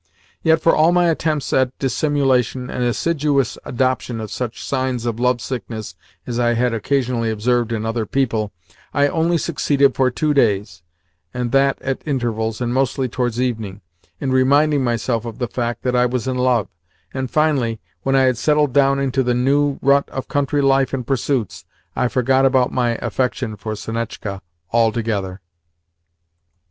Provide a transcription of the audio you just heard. Yet, for all my attempts at dissimulation and assiduous adoption of such signs of love sickness as I had occasionally observed in other people, I only succeeded for two days (and that at intervals, and mostly towards evening) in reminding myself of the fact that I was in love, and finally, when I had settled down into the new rut of country life and pursuits, I forgot about my affection for Sonetchka altogether.